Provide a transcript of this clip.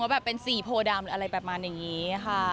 ว่าเป็นสี่โพดามอะไรแบบนี้ค่ะ